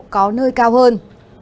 có nơi cao hơn